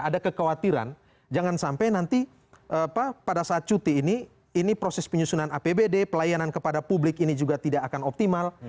ada kekhawatiran jangan sampai nanti pada saat cuti ini ini proses penyusunan apbd pelayanan kepada publik ini juga tidak akan optimal